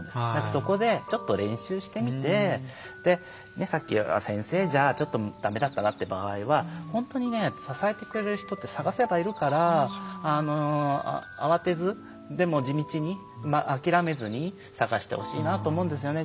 そこで、ちょっと練習してみてさっきの、先生じゃだめだったなという場合は本当に支えてくれる人って探せばいるから慌てず、でも地道に諦めずに探してほしいなと思うんですよね。